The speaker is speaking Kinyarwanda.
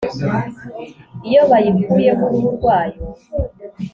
Iyo bayikuyeho uruhu rwayo